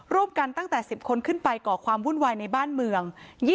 กันตั้งแต่๑๐คนขึ้นไปก่อความวุ่นวายในบ้านเมือง